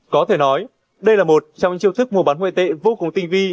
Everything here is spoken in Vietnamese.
có thể nói đây là một trong những chiêu thức mua bán ngoại tệ vô cùng tinh vi